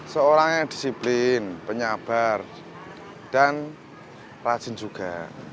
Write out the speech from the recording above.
seorang yang disiplin penyabar dan rajin juga